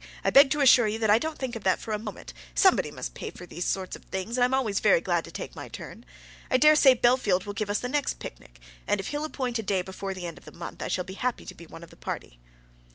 I beg to assure you that I don't think of that for a moment. Somebody must pay for these sort of things, and I'm always very glad to take my turn. I dare say Bellfield will give us the next picnic, and if he'll appoint a day before the end of the month, I shall be happy to be one of the party."